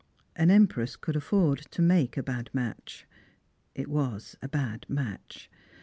" An empress could afford to make a bad match. It was a bad match.